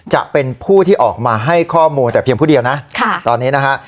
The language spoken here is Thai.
จะเป็นผู้ที่ออกมาให้ข้อมูลแต่เพียงผู้เดียวนะตอนนี้นะฮะ